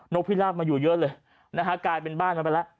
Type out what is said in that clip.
กพิราบมาอยู่เยอะเลยนะฮะกลายเป็นบ้านมันไปแล้ว